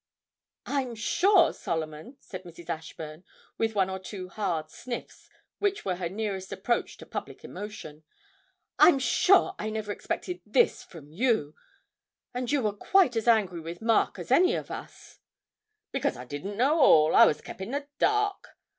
'I'm sure, Solomon,' said Mrs. Ashburn, with one or two hard sniffs which were her nearest approach to public emotion; 'I'm sure I never expected this from you, and you were quite as angry with Mark as any of us.' 'Because I didn't know all I was kep' in the dark.